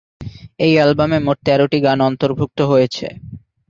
এই অ্যালবামে মোট তেরোটি গান অন্তর্ভুক্ত হয়েছে।